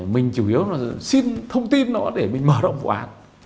mình chủ yếu là xin thông tin đó để mình mở rộng vụ án